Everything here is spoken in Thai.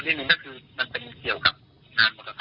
เหมือนหน้าตาดีนึงนักถือมันเป็นเกี่ยวกับชามมูลภัยสำหรับประมาณนี้อะ